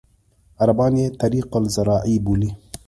عربان یې طریق الزراعي بولي.